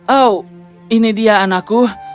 oh ini dia anakku